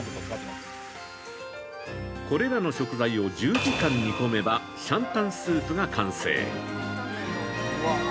◆これらの食材を１０時間煮込めば、シャンタンスープが完成。